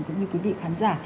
cũng như quý vị khán giả